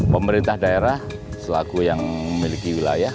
pemerintah daerah selaku yang memiliki wilayah